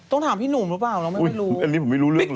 ถามพี่หนุ่มหรือเปล่าเราไม่รู้อันนี้ผมไม่รู้เรื่องเลย